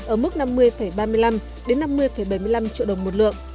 ở mức năm mươi ba mươi năm đến năm mươi bảy mươi năm triệu đồng một lượng